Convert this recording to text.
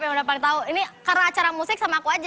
yang udah paling tau ini karena acara musik sama aku aja